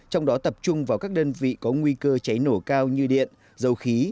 trong đó tập trung vào các đơn vị có nguy cơ cháy nổ cao như điện dầu khí